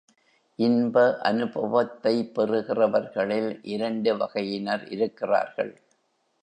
இன்ப அநுபவத்தைப் பெறுகிறவர்களில் இரண்டு வகையினர் இருக்கிறார்கள்.